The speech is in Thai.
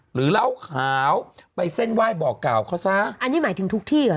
หรือเหล้าขาวไปเส้นไหว้บอกกล่าวเขาซะอันนี้หมายถึงทุกที่เหรอ